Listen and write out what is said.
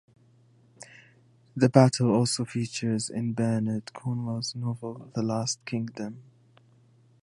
The battle also features in Bernard Cornwell's novel "The Last Kingdom".